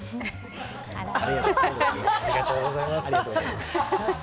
ありがとうございます。